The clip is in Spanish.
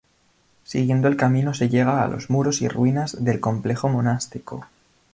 Siguiendo el camino se llega a los muros y ruinas del complejo monástico.